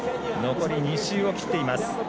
残り２周を切っています。